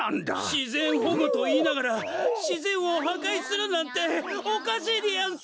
しぜんほごといいながらしぜんをはかいするなんておかしいでやんす！